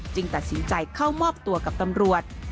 ตัดสินใจเข้ามอบตัวกับตำรวจ